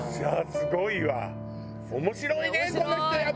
すごいわ。